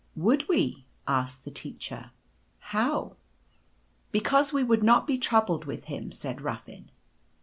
,," Would we?'' asked the teacher, " how ?" "Because we would not be troubled with him," said Ruffin.